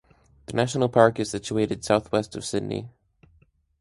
The national park is situated southwest of Sydney.